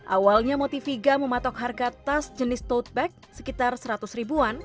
awalnya motiviga mematok harga tas jenis tote bag sekitar seratus ribuan